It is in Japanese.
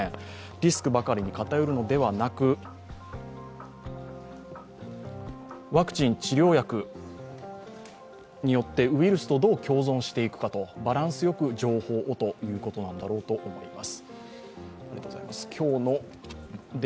リスクばかりに偏るのではなく、ワクチン、治療薬によってウイルスとどう共存していくのか、バランスよく情報をということなんだろうと思います。